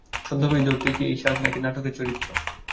ছদ্মবেশ ধরতেই কি এই সাজ, নাকি নাটকের চরিত্র?